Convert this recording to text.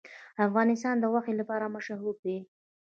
افغانستان د غوښې لپاره مشهور دی.